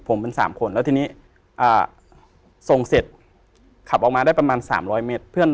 ผมเป็น๓คนแล้วทีนี้ส่งเสร็จขับออกมาได้ประมาณ๓๐๐เมตรเพื่อน